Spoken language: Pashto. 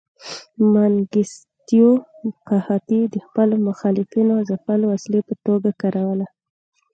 منګیستیو قحطي د خپلو مخالفینو ځپلو وسیلې په توګه کاروله.